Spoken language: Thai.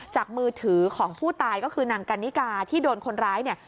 มือถือของผู้ตายก็คือนางกันนิกาที่โดนคนร้ายเนี่ย